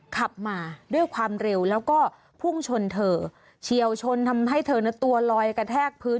ขับมาด้วยความเร็วแล้วก็พุ่งชนเธอเฉียวชนทำให้เธอนั้นตัวลอยกระแทกพื้น